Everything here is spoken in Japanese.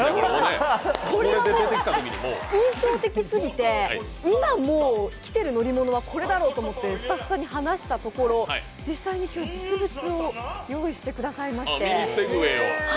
これが印象的すぎて、今きてる乗り物はこれだろうとスタッフさんに話したところ、実際に今日実物を用意していただきました。